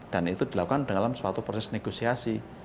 dan itu dilakukan dalam suatu proses negosiasi